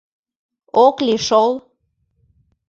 Ок лий шол.